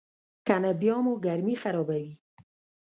کنه بیا مو ګرمي خرابوي.